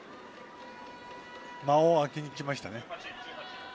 間を空けにきましたね。